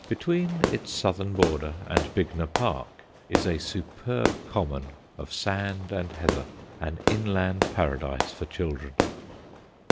Between its southern border and Bignor Park is a superb common of sand and heather, an inland paradise for children.